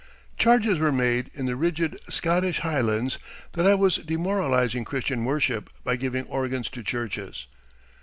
Charges were made in the rigid Scottish Highlands that I was demoralizing Christian worship by giving organs to churches.